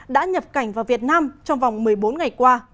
đã nhập cảnh vào việt nam trong vòng một mươi bốn ngày qua